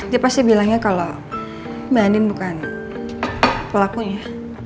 dia pasti bilangnya kalau mbak nin bukan pelakunya